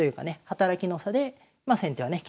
働きの差でまあ先手はね